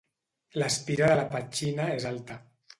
L'espira de la petxina és alta.